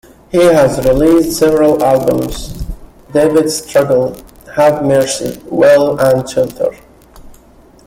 He has released several albums: "David's Struggle", "Have Mercy", "Well", and "Shelter".